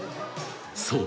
［そう。